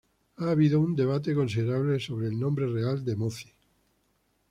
Ha habido un debate considerable sobre el nombre real de Mozi.